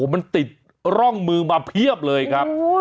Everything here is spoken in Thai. มันติดร่องมือมาเพียบเลยครับ